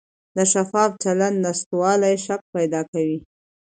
د شفاف چلند نشتوالی شک پیدا کوي